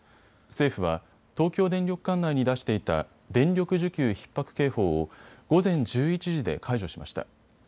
政府は東京電力管内に出していた電力需給ひっ迫警報を午前１１時で解除しました。